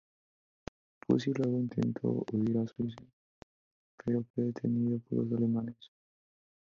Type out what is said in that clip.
Pucci luego intentó huir a Suiza, pero fue detenido por los alemanes.